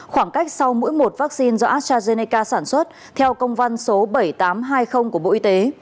khoảng cách sau mỗi một vaccine do astrazeneca sản xuất theo công văn số bảy nghìn tám trăm hai mươi của bộ y tế